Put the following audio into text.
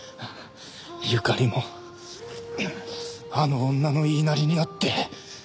友加里もあの女の言いなりになって。